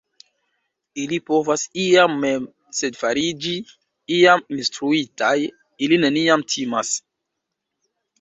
ili povas iam mem, sed fariĝi iam instruitaj ili neniam timas!